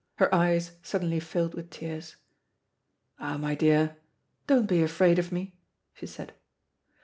Her eyes suddenly filled with tears. "Ah, my dear, don't be afraid of me," she said.